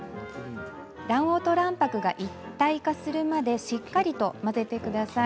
卵黄と卵白が一体化するまでしっかりと混ぜて下さい。